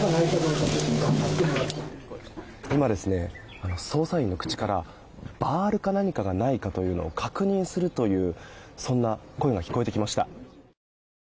今、捜査員の口からバールか何かがないかというのを確認するというそんな声が聞こえてきました。